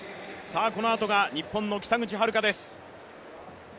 このあとが日本の北口榛花です。